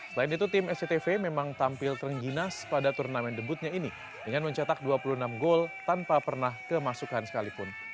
selain itu tim sctv memang tampil terengginas pada turnamen debutnya ini dengan mencetak dua puluh enam gol tanpa pernah kemasukan sekalipun